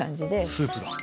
スープだ。